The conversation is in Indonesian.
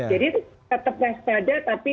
jadi tetap best pada tapi